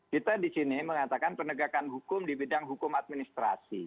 kita di sini mengatakan penegakan hukum di bidang hukum administrasi